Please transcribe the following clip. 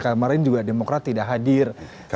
karena kemarin juga demokrat tidak hadir